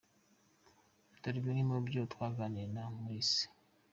Dore bimwe mubyo twaganiriye na Maurix:.